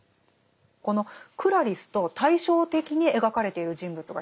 このクラリスと対照的に描かれている人物がいるんですね。